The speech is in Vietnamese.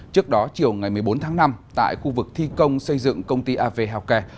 trước đó chiều ngày một mươi bốn tháng năm tại khu vực thi công xây dựng công ty av healthcare